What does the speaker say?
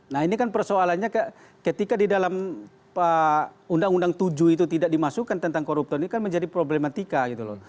nah ini kan persoalannya ketika di dalam undang undang tujuh itu tidak dimasukkan tentang koruptor ini kan menjadi problematika gitu loh